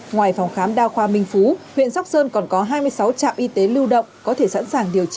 ngoài phòng khám đao khoa minh phú